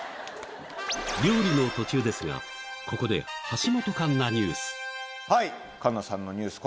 料理の途中ですがここで環奈さんのニュース